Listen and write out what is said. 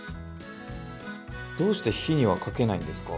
どうして火にはかけないんですか？